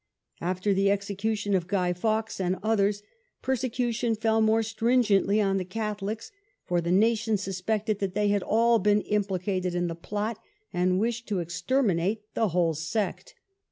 After the execution of Guy Fawkes and others, persecution fell more strin gently on the Catholics, for the nation suspected that they had all been implicated in the plot, and wished to exter minate the whole sect.